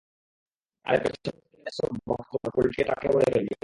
আর পেছন থেকে মাইনাস সব বাক্স তোমার পোল্ট্রির ট্রাকে ভরে ফেলবে।